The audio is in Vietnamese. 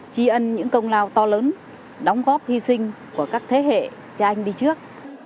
chi ân những công lao to lớn đóng góp hy sinh của các thế hệ cha anh đi trước